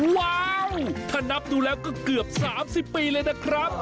ว้าวถ้านับดูแล้วก็เกือบ๓๐ปีเลยนะครับ